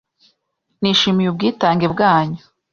Nishimiye ubwitange bwanyu.